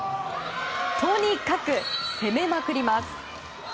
とにかく攻めまくります。